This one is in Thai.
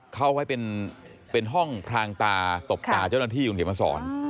เข้าไว้เป็นห้องพรางตาตบตาเจ้าหน้าที่อยู่ในเหมือนศร